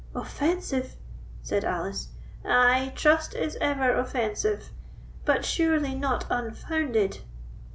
"Offensive!" said Alice. "Ay, trust is ever offensive; but, surely, not unfounded."